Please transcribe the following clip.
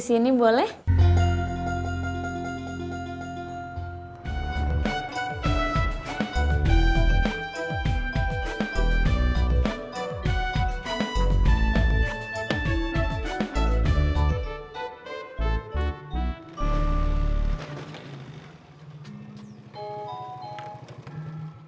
sampai jumpa lagi